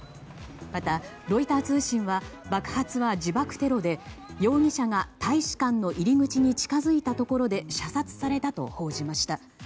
また、ロイター通信は爆発は自爆テロで容疑者が大使館の入り口に近づいたところで射殺されたと報じました。